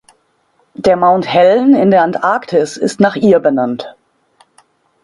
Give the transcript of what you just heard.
Der Mount Helen in der Antarktis ist nach ihr benannt.